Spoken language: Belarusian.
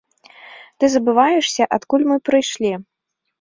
Ты забываешся, адкуль мы прыйшлі.